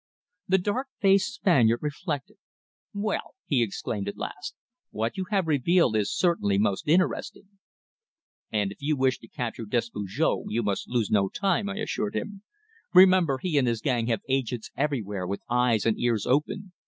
The dark faced Spaniard reflected. "Well," he exclaimed at last. "What you have revealed is certainly most interesting." "And if you wish to capture Despujol you must lose no time," I assured him. "Remember, he and his gang have agents everywhere with eyes and ears open.